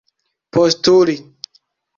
postuli